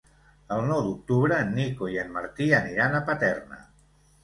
El nou d'octubre en Nico i en Martí aniran a Paterna.